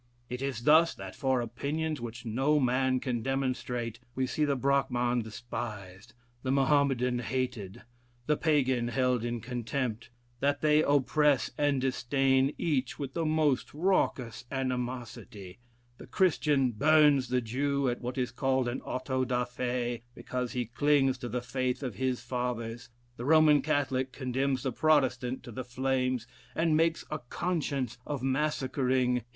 It is thus that for opinions, which no man can demonstrate, we see the Brachman despised; the Mahomedan hated; the Pagan held in contempt; that they oppress and disdain each with the most raucorous animosity: the Christian burns the Jew at what is called an Auto da fe, because he clings to the faith of his fathers; the Roman Catholic condemns the Protestant to the flames, and makes a conscience of massacreing(sp.)